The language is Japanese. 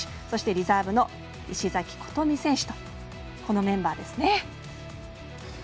そしてリザーブの石崎琴美選手とこのメンバーですね。